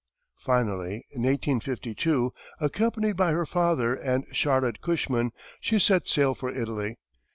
Finally, in 1852, accompanied by her father and Charlotte Cushman, she set sail for Italy.